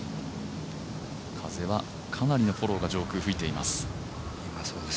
風はかなりのフォローが上空吹いています。